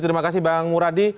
terima kasih bang muradi